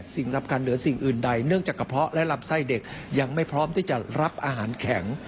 รับการเหนือสิ่งอื่นใดเนื่องจากกระเพาะและลำไส้เด็กยังไม่พร้อมที่จะรับอาหารแข็ง